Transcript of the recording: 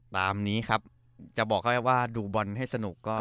ตามนี้ครับจะบอกให้ว่าดูบอลให้สนุก